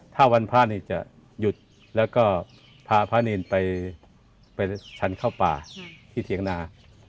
ถ้าวันพระนี่จะหยุดแล้วก็พาพระเนรไปฉันเข้าป่าที่เถียงนา